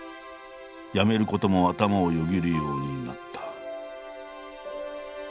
やめることも頭をよぎるようになった。